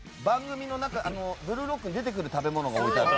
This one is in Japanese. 「ブルーロック」に出てくる食べ物がある。